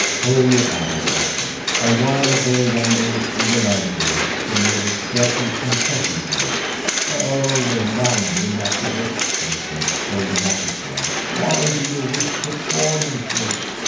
"Holy abbot," I said, "awhile ago yonder in the library you made a certain confession to us." "Oh! remind me not of it," he said, holding up his hands. "Why do you wish to torment me?"